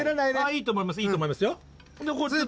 いいと思いますいいと思いますよ。